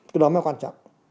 cái đó mới quan trọng